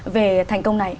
về thành công này